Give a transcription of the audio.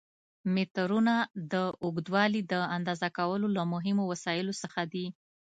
مترونه د اوږدوالي د اندازه کولو له مهمو وسایلو څخه دي.